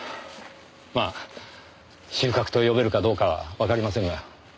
まあ収穫と呼べるかどうかはわかりませんが。